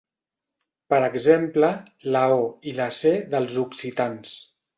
Per exemple, la o i la ce dels occitans.